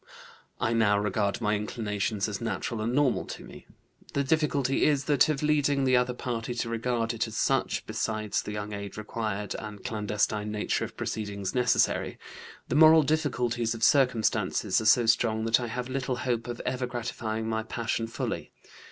I now regard my inclinations as natural and normal to me. The difficulty is that of leading the other party to regard it as such, besides the young age required and clandestine nature of proceedings necessary. The moral difficulties of circumstances are so strong that I have little hope of ever gratifying my passion fully.